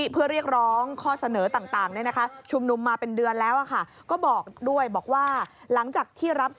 เพื่อเรียกร้องข้อเสนอต่างได้นะคะ